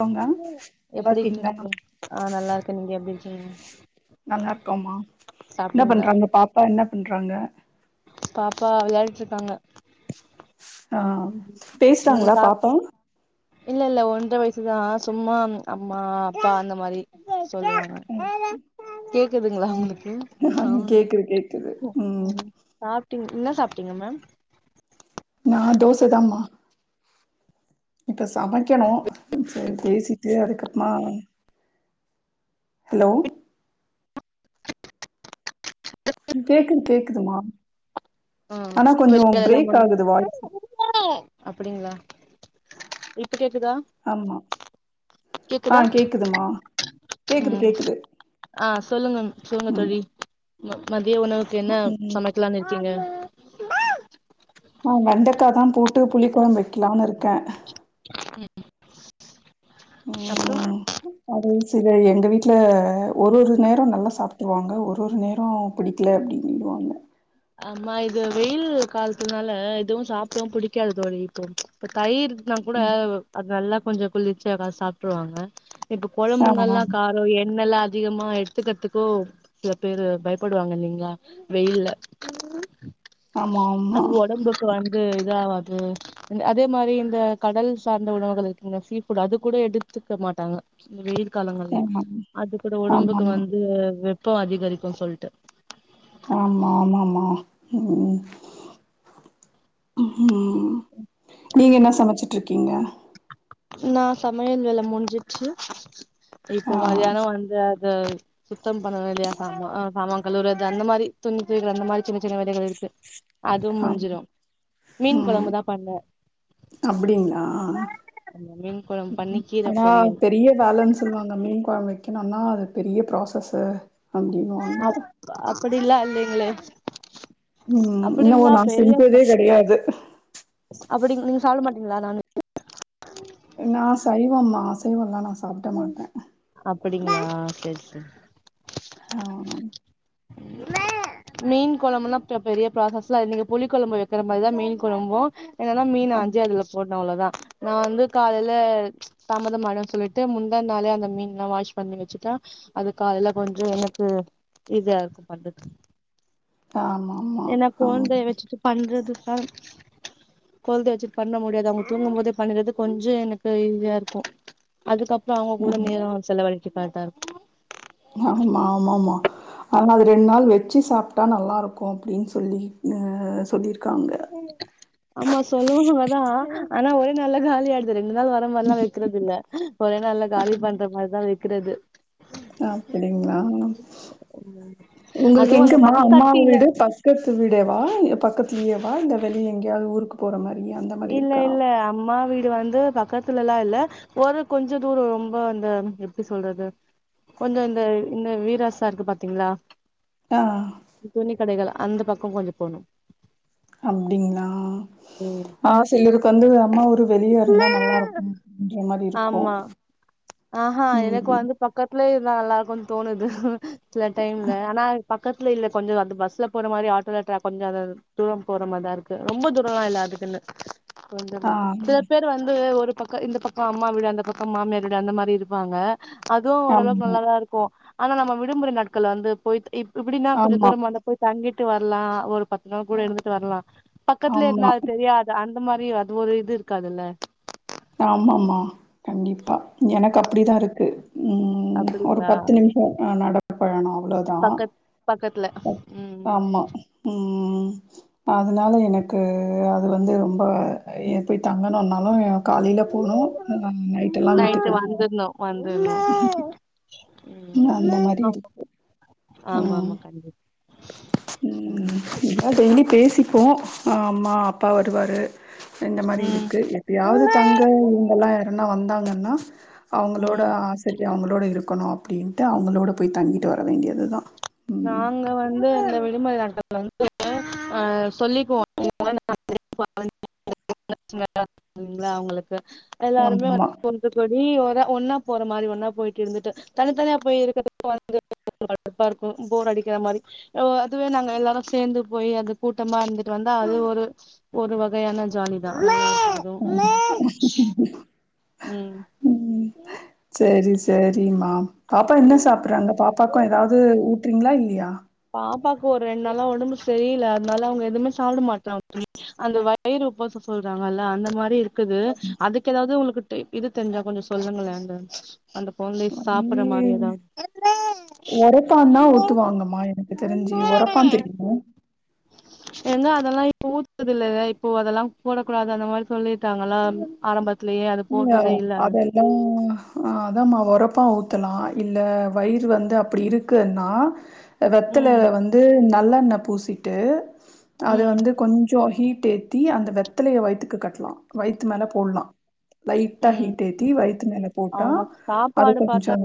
போங்க நல்லா எப்டி இருக்கீங்களா இருக்கிங்க ப்ரோ ஆ நல்லா இருக்கேன் நீங்க எப்டி இருக்கீங்க நல்லா இருக்கோம்மா என்ன சாப்ட்டீங்களா பண்றாங்க பாப்பா என்ன பண்றாங்க பாப்பா விளையாடிட்டுருக்காங்க ஆ ம் பேஸ்றாங்ளா சாப் பாப்பா இல்ல இல்ல ஒன்ற வயசுதா சும்மா அம்மா அப்பா அந்த மாதிரி சொல்லுவாங்க கேக்குதுங்ளா உங்களுக்கு ஆ சவுண்ட் கேக்குது கேக்குது ம் சாப்ட்டீங் என்ன சாப்ட்டீங்க மேம் நா தோசதாமா இப்ப சமைக்கணு செரி பேசிட்டு அதுக்கப்பறமா ஹலோ ம் கேக்குது கேக்குதுமா ஆ ஆனா கொஞ்சோ பிரேக் ஆகுது வாய்ஸ் அப்டிங்ளா இப்ப கேக்குதா ஆமா ஆ கேக்குதா கேக்குதுமா கேக்குது ம் கேக்குது ஆ சொல்லுங்க சொல்லுங்க ம் தோழி மதிய உணவுக்கு என்ன ம் சமைக்கலான்னு இருக்கீங்க ஆ வெண்டக்காதா போட்டு புளி கொழம்பு வைக்கலானு இருக்கே ம் அப்றோ அதுவு செரிதா எங்க வீட்ல ஒரு ஒரு நேரோ நல்லா சாப்ட்டுவாங்க ஒரு ஒரு நேரோ புடிக்ல அப்டின்னு விடுவாங்க ஆமா இது வெயில் காலத்துனால எதுவு சாப்டவு பிடிக்காது தோழி இப்போ இப்ப தயிர் னா கூட ம். அது நல்லா கொஞ்சோ குளிர்ச்சியா எதா சாப்ட்ருவாங்க இப்ப ஆமா கொழம்புங்கல்லா காரோ எண்ணெயெல்லா அதிகமா எடுத்துக்கிறதுக்கோ சில பேரு பயப்படுவாங்க இல்லைங்ளா வெயில்ல ஆமா ஆமா அது ஒடம்புக்கு வந்து இத ஆவாது அதே மாரி இந்த கடல் சார்ந்த உணவுகள் இருக்குங்க சீ ஃபுட் அது கூட எடுத்துக்க மாட்டாங்க இந்த வெயில் காலங்கள்ல ஆமா அது கூட ஒடம்புக்கு ஆமாமா வந்து வெப்ப அதிகரிக்கு சொல்ட்டு ஆமா ஆமாமா ம் ம் நீங்க என்ன சமச்சிட்ருக்கீங்க நா சமையல் வேல முஞ்சிச்சு ஆ இப்ப மதியான வந்து அது சுத்த பண்வே இல்லையா சாமா சாமா கழுவுறது அந்த மாரி துணி துவைக்கனு அந்த மாரி சின்ன சின்ன வேலைகள் இருக்கு அதும் ஆமா முஞ்சுரும் மீன் ம் கொழம்புதா பண்ணே அப்டிங்ளா அந்த மீன் கொழம்பு பண்ணி ம் கீர ஆனா பொரியல் பெரிய பேலன்ஸ் சொல்லுவாங்க மீன் கொழம்பு வைக்கணுன்னா அது பெரிய ப்ராசஸ்சு அப்டின்னு வாங்க அப்டில்லா இல்லைங்ளே ம் இன்ன ஓ நா செஞ்சதே கெடையாது அப்டி நீங்க சாப்ட மாட்டீங்ளா நான் வெ நா சைவம்மா அசைவல்லா நா சாப்ட மாட்ட அப்டிங்ளா சேர் சேரி ஆ மீன் கொழம்புன்னா இப்ப பெரிய ப்ராசஸ்ல இல்லைங்க புளி கொழம்பு வைக்கிற மாரிதா மீன் கொழம்பு என்னன்னா மீன் ஆஞ்சு அதுல போட்ணு அவ்ளதா நா வந்து காலைல தாமதம் ஆடுன்னு சொல்லிட்டு முந்தா நாளே அந்த மீன்ல்லா வாஷ் பண்ணி வச்சுட்டா அது காலைல கொஞ்சோ எனக்கு இத இருக்கு பண்றதுக் ஆமா ஆமா என்ன கொழ்ந்தைய ஆமா வச்சுட்டு பண்றதுதான் குழந்த வெச்சிட்டு பண்ண முடியாது அவங்க தூங்கு போது பண்றது கொஞ்ச எனக்கு ஈஸியா இருக்கு அதுக்கப் ல அவங்க கூட நேர செலவழிக்க பாத்தாரு ஆமா ஆமாமா ஆனா அது ரெண்டு நாள் வெச்சு சாப்ட்டா நல்லா இருக்கு அப்டின்னு சொல்லி னு சொல்லியிருக்காங்க ஆமா சொல்லுனு வதா ஆனா ஒரே நால்ல காலி ஆயிடு ரெண்டு நாள் வர மாரிலா வைக்கறதுல்ல ஒரே நாள்ல காலி பண்ற மாரிதா வைக்கிறது அப்டிங்களா உங்களுக்கு அதுவு அந்த எங்கமா மண் அம்மா சட்டில வீடு பஸ் பக்கத்து வீடேவா பக்கத்துலேயேவா இந்த வெளிய எங்கேயாவது ஊருக்கு போற மாரி அந்த மாரி இல்ல இருக்கா இல்ல அம்மா வீடு வந்து பக்கத்துலலா இல்ல ஒரு கொஞ்ச தூரோ ரொம்ப அந்த எப்டி சொல்றது கொஞ்ச இந்த இந்த வீராசா இருக்கு பாத்தீங்களா ஆ துணி கடைகள் அந்த பக்க கொஞ்ச போணு அப்டீங்களா ம் ஆ சிலருக்கு வந்து அம்மா ஊரு வெளிய இருந்தா நல்லா இருக்கு அப்டின்ற மாரி இருக்கு ஆமா ஆஹா எனக்கு ம் வந்து பக்கத்துலே இருந்தா நல்லா இருக்கு தோணுது சில டைம்ல ஆனா ப பக்கத்துல இல்ல கொஞ்சோ அந்த பஸ்ல போற மாரி ஆட்டோல ட்ர கொஞ்ச அது தூர போற மாரிதா இருக்கு ரொம்ப தூரல்லா இல்ல அதுக்குன்னு கொஞ்சதா ஆ பேர் வந்து ஒரு பக்க இந்த பக்க அம்மா வீடு அந்த பக்க மாமியார் வீடு அந்த மாரி இருப்பாங்க அதுவு ஓரளவுக்கு ஆமா நல்லாதா இருக்கு ஆனா நம்ம விடுமுறை நாட்கள் வந்து போய் இ இப்டின்னா கொஞ்ச ஆமா, தூர அங்க போய் தங்கிட்டு வர்லா ஒரு பத்து நாள் கூட இருந்துட்டு வர்லா பக்கத்துல ஆமா, இருந்தா அது தெரியாது அந்த மாரி அது ஒரு இது இருக்காதுல்ல ஆமாமா கண்டிப்பா எனக்கு அப்டிதா இருக்கு ம் ம் ஒரு அப்டிங்களா பத்து நிமிஷொ எ நட பயணோ அவ்ளோதா பக்கத் பக்கத்துல ம் ஆமா ம் அதனால எனக்கு அது வந்து ரொம்ப எ போய் தங்கணுன்னாலு காலில போனோ ம் நைட் எல்லா நைட்டு வீட்டுக்கு வரனு வந்துர்ணு வந்துர்ணு அந்த மாரி ம் இருக்கு ஆமா ம் ஆமா கண்டிப்பா ம் கண்டிப்பா எல்லா டெய்லி பேசிப்போ அம்மா அப்பா வருவாரு இந்த மாரி ம் இருக்கு எப்பயாவது தங்க இவங்க எல்லா யாருன்னா வந்தாங்கன்னா அவங்களோட ம் ஆசரிய அவங்களோட இருக்கணு அப்டின்ட்டு அவங்களோட போய் தங்கிட்டு வர வேண்டியதுதா ம் நாங்க வந்து இந்த விடுமுறை நாட்கள்ல வந்து ஆ சொல்லிக்குவோ [inaudible] [inaudible] ல அவங்களுக்கு எல்லாருமே ஆமாமா வந் து தோழி ஒரு அ ஒன்னா போற மாரி ஒன்னா போயிட்டு இருந்துட்டு தனித்தனியா போயி இருக்கிறதுக்கு வந்து ப போர் அடிக்காத மாரி ஒ அதுவே நாங்க எல்லாரு சேர்ந்து போய் அது கூட்டமா இருந்துட்டு வந்தா அது ஒரு ஒரு வகையான ஜாலிதா எல்லாரு கொஞ்சோ [unintelligible] ம் செரி சரிமா பாப்பா என்ன சாப்பிறாங்க பாப்பாக்கு ஏதாவது ஊட்றிங்களா இல்லையா பாப்பாக்கு ஒரு ரெண்டு நாளா ஒடம்பு சரியில அதனால அவங்க எதுவுமே சாப்பிட மாட்றாங்க தோழி அந்த வயிறு உபசொ சொல்றாங்கல்ல அந்த மாரி இருக்குது ஆமா. அதுக்கு ஏதாவ்து உங்களுக்கு டை இது தெரிஞ்சா கொஞ்சோ சொல்லுங்களே அந்த கொழந்தை சாப்புட்ற மாரி ஏதாவது ஒரைப்பாந்தா ஊத்துவாங்கமா எனக்கு தெரிஞ்சி ஒரப்பா தெரியுமா [inaudible] எங்க அதெல்லா இப்போ ஊத்றது இல்லல இப்போ அதெல்லா போடக்கூடாது அந்த மாரி சொல்லிட்டாங்களா ஆரம்பத் இல்ல அதெல் லா ஆ அதாம்மா ஒரப்பா ஊத்தலா இல்ல வயிறு வந்து அப்டி இருக்குன்னா ம் வெத்தலைல வந்து நல்லெண்ண பூசிட்டு அத ம் வந்து கொஞ்சோ ஹீட் ஏத் தி அந்த வெத்தலைய வயித்துக்கு கட்லா வயித்து மேல போட்லா லைட்டா ம் ஹீட் ஏத்தி வயித்து மேல போட்டா அவங்க அது கொஞ்சோ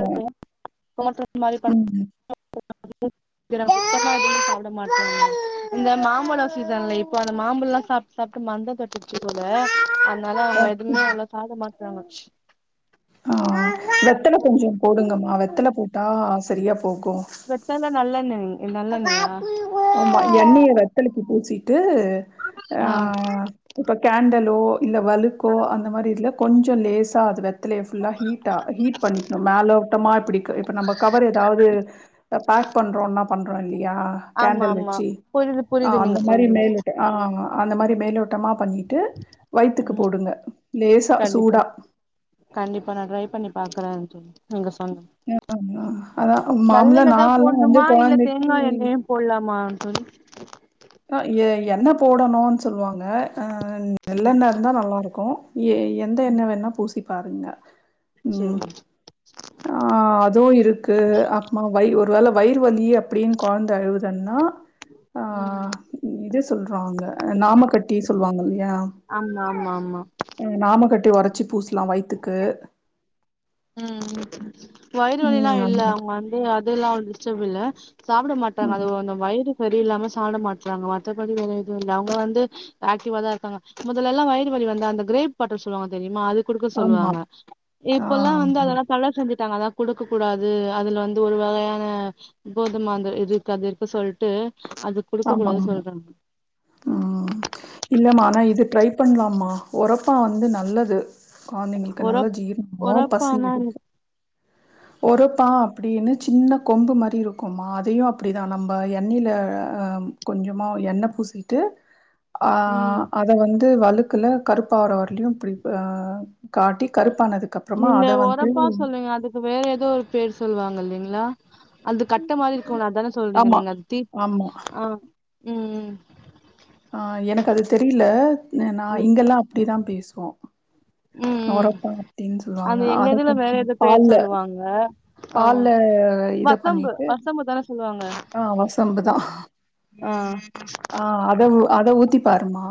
[unintelligible] எனக்கு சுத்தமா [inaudible] சாப்புடமாட்டே இந்த மாம்பழோ சீசன்ல இப்போ அந்த மாம்பழ்லா சாப் சாப்ட்டு மந்த தட்டுச்சு போல அதுனால அவங்க வெத்- எதுவுமே அவ்ளவா சாப்ட மாட்றாங்க ஆ வெத்தல கொஞ்சோ போடுங்கமா வெத்தல போட்டா சரியா போகு வெத்தல நல்லெண்ணெய் நல்லெண்ணையா ஆமா எண்ணெய வெத்தலைக்கு பூசிட்டு ஆ ஆஹ் இப்ப கேண்டலோ இல்ல வலுக்கோ அந்த மாரி இதுல கொஞ்சோ லேஸா அது வெத்தலய ஃபுல்லா ஹீட் டா ஹீட் பண்ணிக்ணு மேலோட்டமா இப்டிக் இப்ப நம்ம கவர் எதாவது த பேக் பண்றோனக பண்றோ இல்லையா ஆமா கேண்டல் ஆமா வச்சி புரியுது ஆ புரியுது அந்த நீங்க மாரி சொல்றது மேல ஆஹ் அந்த மாரி மேலோட்டமா பண்ணி ட்டு வயித்துக்கு ம் போடுங்க லேசா கண்டிப்பா சூடா கண்டிப்பா நா ட்ரை பண்ணி பாக்குறேச்சி நீங்க சொன் ஆமா அதான் மாமூலா நல்லெண்ணதா நான்லாம் வந்து போடணுமா இல்ல கொழந்தைக்கு தேங்கா எண்ணெயே போட்லாமா தோழி ஆ எ என்ன போடணூன் சொல்லுவாங்க ஆ ம் நெல்லண்ண இருந்தா நல்லாருக்கு ஏ எந்த ம் எண்ணெ வேணா பூசி பாருங்க உம் சேரிங்க ஆ அதுவு இருக்கு அப்மா வய் ஒரு வேள வயிறு வலி அப்டின் கொழந்த அழுவுது தன்னா ஆஹ் ம் இது சொல்றோல்ல நாமக்கட்டி சொல்வாங்க இல்லையா ஆமா ஆமா ஆமா ம் நாமக்கட்டி ஒரச்சி பூசலா வயித்துக்கு உம் வயிறு வலிலா ம் இல்ல அவங்க வந்து அதுல்லா டிஸ்டப் இல்ல சாப்புட மாட்றாங்க அதுவ் அந்த வயிறு சரியில்லாம சாப்ட மாட்றாங்க மத்த படி வேற எதுவு இல்ல அவங்க வந்து ஆக்டிவாதா இருக்காங்க முதலைலா வயிறுவலி வந்தா அந்த கிரேப் பாட்டில் சொல்லுவாங்க தெரியுமா அது குடுக்க அந்த மா ம் ஆமா சொல்லுவாங்க இப் ஆ கலர் செஞ்சிட்டாங்க அதா குடுக்க கூடாது அதுல வந்து ஒரு வகையான போதுமாந்து இதுக் அது இருக்கு சொல்ட்டு அது குடுக்க ஆமா கூடாது சொல்றாங்க உம் இல்லமா ஆனா இது ட்ரை பண்லாமா ஒரப்பா வந்து நல்லது கொழந்தைங்களுக்கு நல்ல ஒரப் ஜீரணமு பசி ஒரப்பானா எடுக்கு ஒரப்பா அப்டீனு சின்ன கொம்பு மாறி இருக்குமா அதையு அப்டிதா நம்ம எண்ணெயில ஆ கொஞ்சமா எண்ணெ பூசிட்டு ஆ ம் அத வந்து வழுக்குல கருப்பாவுர வரைலயு இப்டி ஆ காட்டி கருப்பானதுக்கப் நீங்க ஒரப்பா சொல்வீங்க அதுக்கு வேற ஏதோ ஒரு பேர் சொல்வாங்க இல்லைங்களா அந்த கட்ட மாறி இருக்குல அதான சொல்றீங்க ஆமா நீங்க அது தி ஆமா ஆ உம் உம் ஆ எனக்கு அது தெரியலே நு நா இங்கெல்லா அப்டிதா பேசுவோ ம் ம் ம் ஒரப்பா அப்டின்னு சொல்லுவாங்க அந்த எங்க அத இதுல வேற கொஞ்சோ ஏதோ பேர் பால்ல சொல்லுவாங்க ஆ பால்ல இத வசம்பு பண்ணிட்டு வசம்பு தான சொல்லுவாங்க ஆ வசம்புதா ஆ ஆ அத ஊ அத ஊத்தி பாருமா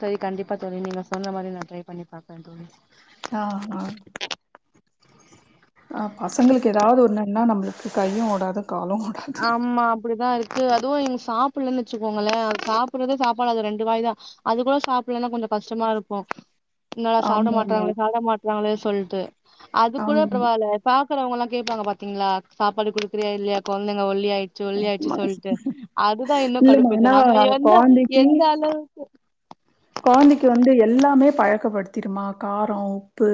செரி கண்டிப்பா தோழி நீங்க சொன்ன மாறி நான் ட்ரை பண்ணி பாக்கற தோழி ஆ ஆ ஆ பசங்களுக்கு ஏதாவது ஒண்ணுண்ணா நம்பளுக்கு கையு ஓடாது காலும் ஓடாது ஆமா அப்டிதா இருக் கு அதுவு இங்க சாப்பிலன்னு வச்சுக்கோங்களே அது சாப்டுறதே சாப்பாடு அது ரெண்டு வாய் தா அது கூட சாப்பலன்னா கொஞ்சோ கஷ்டமா இருக்கு என்னாடா சாப்ட ஆமாமா மாட்டறாங்களே சாப்ட மாட்டறாங்களே சொல்ட்டு அது கூட ஆமா பரவால்ல பாக்குறவுங்கல்லா கேப்பாங்க பாத்தீங்களா சாப்பாடுக் குடுக்குறியா இல்லயா குழந்தைங்க ஒல்லியாய்ட ச்சு ஒல்லியாச்சு ஆமா சொல்ட்டு அதுதா இன்னு இல்லமா ஆனா கடுப்பேருது நம்ம எந்த கொழந்தைக்கு எந்த அளவு கொழந்தைக்கு வந்து எல்லாமே பழக்கப்படுத்திருமா காரோ உப்பு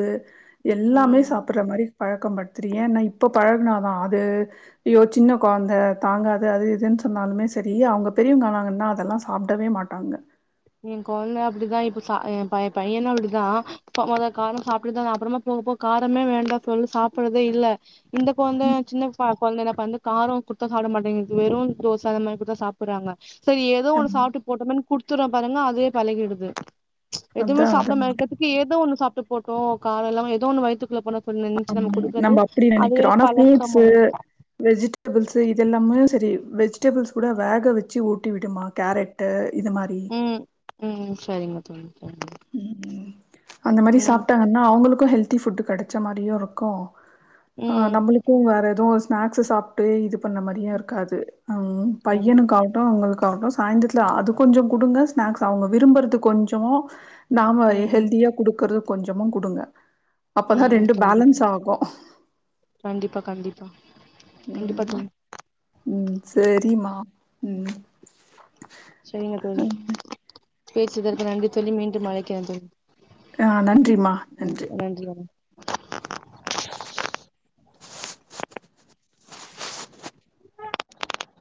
எல்லாமே ம் சாப் பற மாறி பழக்கம் படுத்துறு ஏனா இப்ப பழகுனாதா அது ஐயோ சின்ன கொழந்த தாங்காது அது இதுன்னு சொன்னாலுமே செரி அவுங்க பெரியவங்கானாங்கன்னா அதெல்லா சாப்டவே மாட்டாங்க எ கொந்த அப்டிதா இப்ப சா எ பை பையனு அப்டிதா மொத காரோ சாப்ட்டுதாத அப்பறமா போக போக காரமே வேண்டா சொல்லி சாப்புறதே இல்ல இந்த கொழந்த சின்ன பா கொழந்த என்னா பண்து காரோ கொடுத்தா சாப்ட மாட்டேங்குது வெறு தோச அது மாறி குடுத்தா சாப்புறாங்க செரி ஏதோ ஒன்னு சாப்ட்டு போட்டுமேன் குடுத்துறோ பாருங்க அதுவே பழகிடுது எதுமே அதா சாப்ட அதா மே ஏதோ ஒண்ண சாப்ட்டு போட்டு காரோ இல்லாம ஏதோ ஒன்னு வயத்துக்குள்ள போனா ஆமா நம்ம அப்டி நெனைக்கிறோ ஆனா ஃப்ரூட்ஸ் பழக்கமாயிடுச்சு வெஜ்ஜிடே டேபிள்ஸ்ஸு இது எல்லாமே செரி வெஜிடபிள்ஸ் கூட வேக வச்சு ஊட்டி விடுமா கேரட்டு இது மாறி ம் ம் செரிங்க தோழி சரிங்க ம் ம் அந்த மாரி ம் சாப்ட்டாங்கன்னா அவுங்களுக்கு ஹெல்தி ஃபுட்டு கெடைச்ச மாரியு இருக்கு ஆ ம் நம்பளுக்கும் வேற எதவு ஸ்நாக்ஸ்ஸு சாப்ட்டு இது பண்ண மாரியு இருக்காது ம் கண்டிப்பா பையனுக்கா ட்டு உங்களுக்கு ஆகு சாய்ந்திரத்துல அது கொஞ்சோ குடுங்க ஸ்நாக்ஸ் அவுங்க விரும்புறது கொஞ்சோ நாம ம் ஹெல்தியா குடுக்கறது கொஞ்சமு குடுங்க அப்பதா ம் ரெண்டு கண்டிப்பா பேலன்ஸ் ஆகு கண்டிப்பா கண்டிப்பா கண்டிப்பா ம் தோழி ம் சேரிம்மா ம் சேரிங்க தோழி பேசுனதற்கு நன்றி தோழி மீண்டு அழைக்கிற தோழி ஆ நன்றிம்மா நன்றி நன்றி வண